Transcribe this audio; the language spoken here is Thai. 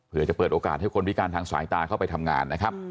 เพื่อจะเปิดโอกาสให้คนพิการทางสายตาเข้าไปทำงานนะครับ